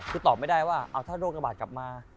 คือตอบไม่ได้ว่าเอาถ้าโรคระบาดกลับมา